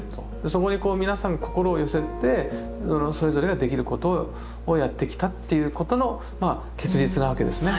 そこにこう皆さんが心を寄せてそれぞれができることをやってきたっていうことのまあ結実なわけですね。